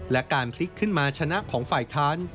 และการพลิกขึ้นมาชนะของฝ่ายค้าน